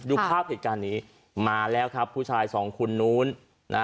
ดูภาพเหตุการณ์นี้มาแล้วครับผู้ชายสองคนนู้นนะ